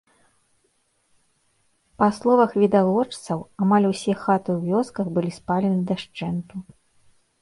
Па словамі відавочцаў, амаль усе хаты ў вёсках былі спалены дашчэнту.